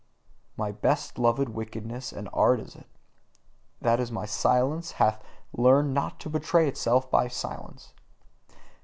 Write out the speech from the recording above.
My best loved wickedness and art is it, that my silence hath learned not to betray itself by silence.